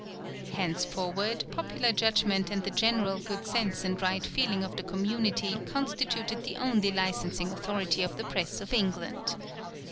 Henceforward popular judgment and the general good sense and right feeling of the community constituted the only licensing authority of the Press of England.